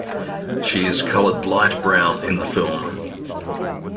She is colored light brown in the film.